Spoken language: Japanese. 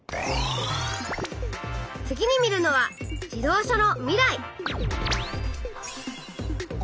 次に見るのは「自動車の未来」。